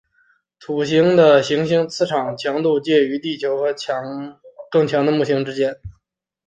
土星的行星磁场强度介于地球和更强的木星之间。